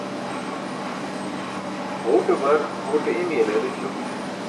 Ġuṭe bar ġuṭe i̇mi̇ye leel ećo.